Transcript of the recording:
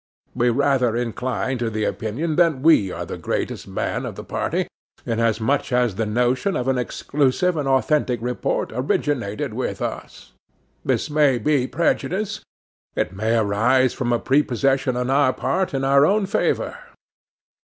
We rather incline to the opinion that we are the greatest man of the party, inasmuch as the notion of an exclusive and authentic report originated with us; this may be prejudice: it may arise from a prepossession on our part in our own favour.